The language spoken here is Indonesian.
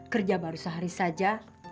kerja baru sehari saja